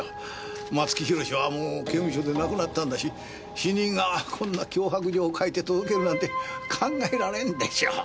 松木弘はもう刑務所で亡くなったんだし死人がこんな脅迫状を書いて届けるなんて考えられんでしょう。